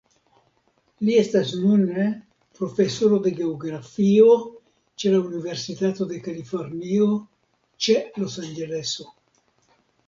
Li estas nune Profesoro de Geografio ĉe la Universitato de Kalifornio ĉe Los-Anĝeleso.